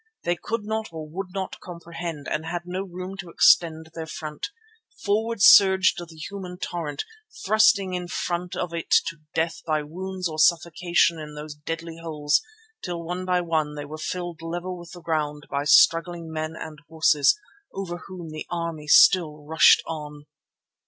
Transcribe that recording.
They could not or would not comprehend, and had no room to extend their front. Forward surged the human torrent, thrusting all in front of it to death by wounds or suffocation in those deadly holes, till one by one they were filled level with the ground by struggling men and horses, over whom the army still rushed on.